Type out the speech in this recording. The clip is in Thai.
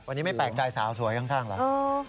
วันนี้ไม่แปลกใจสาวสวยข้างเหรอ